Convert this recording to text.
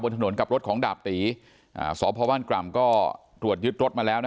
บนถนนกับรถของดาบตรีสพวรรค์กรรมก็ตรวจยึดรถมาแล้วนะ